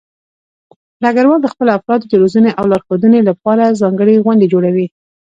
ډګروال د خپلو افرادو د روزنې او لارښودنې لپاره ځانګړې غونډې جوړوي.